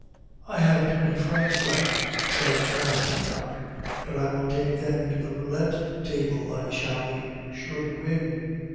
"I have twenty francs left," said Rastignac; "but I will take them to the roulette table, I shall be sure to win."